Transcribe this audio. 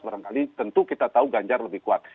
barangkali tentu kita tahu ganjar lebih kuat